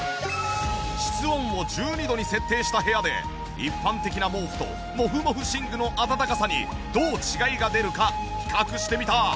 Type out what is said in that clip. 室温を１２度に設定した部屋で一般的な毛布とモフモフ寝具の暖かさにどう違いが出るか比較してみた。